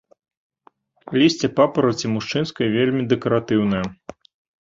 Лісце папараці мужчынскай вельмі дэкаратыўнае.